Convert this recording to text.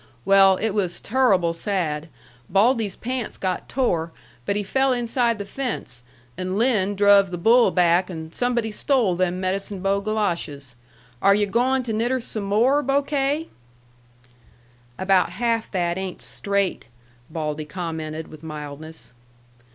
Well, it was turruble sad. Baldy's pants got tore, but he fell inside the fence, and Lin druv the bull back and somebody stole them Medicine Bow galoshes. Are you goin' to knit her some more, Bokay?" "About half that ain't straight," Baldy commented, with mildness.